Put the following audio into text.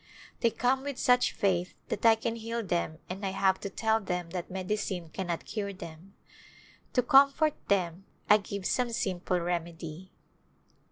*' They come with such faith that I can heal them and I have to tell them that medicine cannot cure them. To comfort them I give some simple remedy.